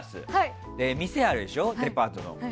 店あるでしょ、デパートの。